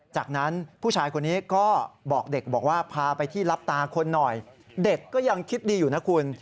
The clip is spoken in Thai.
จากนั้นผู้ชายคนนี้ก็บอกเด็กบอกว่าพาไปที่รับตาคนหน่อยเด็กก็ยังคิดดีอยู่นะคุณ